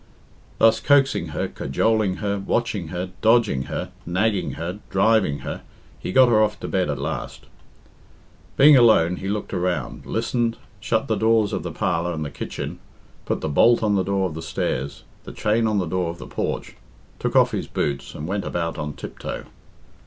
Thus coaxing her, cajoling her, watching her, dodging her, nagging her, driving her, he got her off to bed at last. Being alone, he looked around, listened, shut the doors of the parlour and the kitchen, put the bolt on the door of the stairs, the chain on the door of the porch, took off his boots, and went about on tiptoe.